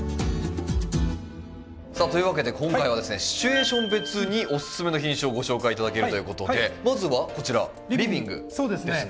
というわけで今回はシチュエーション別にオススメの品種をご紹介頂けるという事でまずはこちらリビングですね。